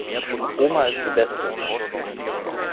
Oma ist die Beste!